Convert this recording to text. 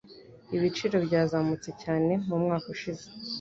Ibiciro byazamutse cyane mumwaka ushize.